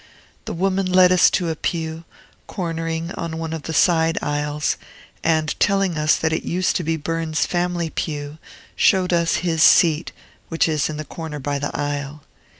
The woman led us to a pew cornering on one of the side aisles, and, telling us that it used to be Burns's family pew, showed us his seat, which is in the corner by the aisle.